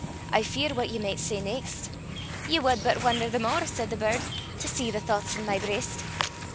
I fear what ye micht say neist. Ye wad but won'er the mair, said the bird, To see the thouchts i' my breist.